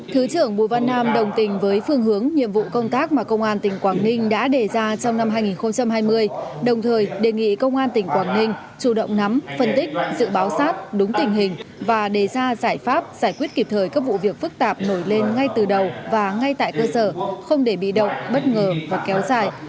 thứ trưởng bùi văn nam đồng tình với phương hướng nhiệm vụ công tác mà công an tỉnh quảng ninh đã đề ra trong năm hai nghìn hai mươi đồng thời đề nghị công an tỉnh quảng ninh chủ động nắm phân tích dự báo sát đúng tình hình và đề ra giải pháp giải quyết kịp thời các vụ việc phức tạp nổi lên ngay từ đầu và ngay tại cơ sở không để bị động bất ngờ và kéo dài